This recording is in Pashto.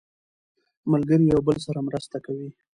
ملګري یو بل سره مرسته کوي